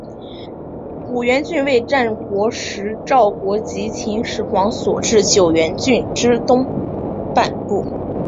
五原郡为战国时赵国及秦始皇所置九原郡之东半部。